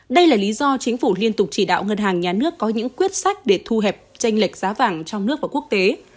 đây là lý do chính phủ liên tục chỉ đạo ngân hàng nhà nước có những quyết sách để thu hẹp tranh lệch giá vàng trong nước và quốc tế